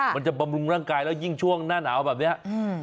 ค่ะมันจะบำรุมร่างกายแล้วยิ่งช่วงหน้าหนาวแบบเนี้ยอืม